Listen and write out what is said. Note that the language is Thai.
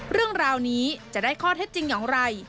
เรื่องราวนี้จะได้ข้อเท็จจริงอย่างไร